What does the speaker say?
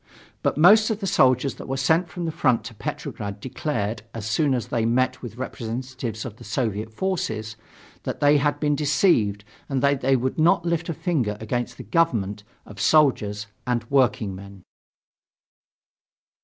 But most of the soldiers that were sent from the front to Petrograd declared, as soon as they met with representatives of the Soviet forces, that they had been deceived and that they would not lift a finger against the government of soldiers and workingmen.